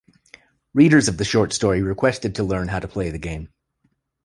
Readers of the short story requested to learn how to play the game.